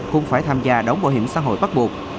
cũng phải tham gia đóng bảo hiểm xã hội bắt buộc